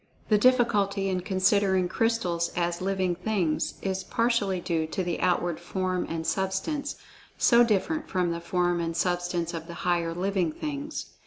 The difficulty in considering crystals as "living things" is partially due to the outward form and substance, so different from the form[Pg 49] and substance of the higher "living things."